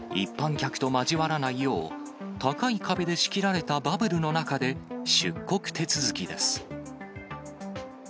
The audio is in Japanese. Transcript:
一般客と交わらないよう、高い壁で仕切られたバブルの中で出国手続きです。